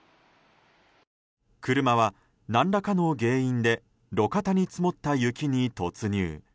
車は何らかの原因で路肩に積もった雪に突入。